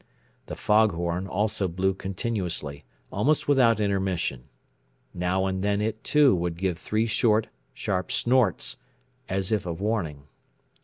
The fog horn also blew continuously, almost without intermission. Now and then it too would give three short, sharp snorts, as if of warning.